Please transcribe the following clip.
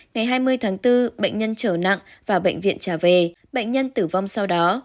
ngày hai mươi tháng bốn bệnh nhân trở nặng và bệnh viện trả về bệnh nhân tử vong sau đó